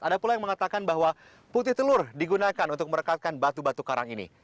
ada pula yang mengatakan bahwa putih telur digunakan untuk merekatkan batu batu karang ini